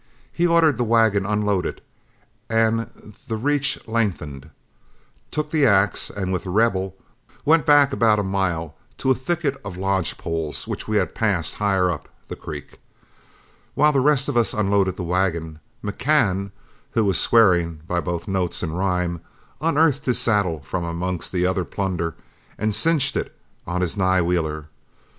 He ordered the wagon unloaded and the reach lengthened, took the axe, and, with The Rebel, went back about a mile to a thicket of lodge poles which we had passed higher up the creek. While the rest of us unloaded the wagon, McCann, who was swearing by both note and rhyme, unearthed his saddle from amongst the other plunder and cinched it on his nigh wheeler.